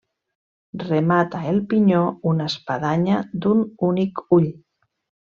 Remata el pinyó una espadanya d'un únic ull.